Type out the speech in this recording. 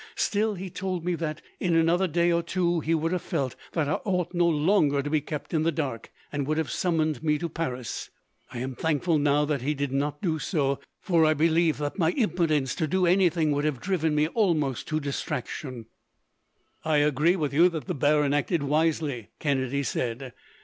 Still, he told me that, in another day or two, he would have felt that I ought no longer to be kept in the dark, and would have summoned me to Paris. I am thankful now that he did not do so, for I believe that my impotence to do anything would have driven me almost to distraction." "I agree with you that the baron acted wisely," Kennedy said.